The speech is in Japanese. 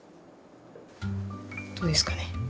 どうですかね？